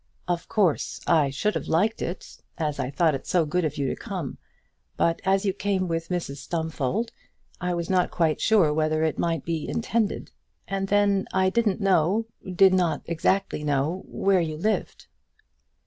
"Of course, I should have liked it, as I thought it so good of you to come. But as you came with Mrs Stumfold, I was not quite sure whether it might be intended; and then I didn't know, did not exactly know, where you lived."